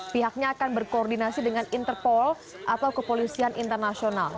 pihaknya akan berkoordinasi dengan interpol atau kepolisian internasional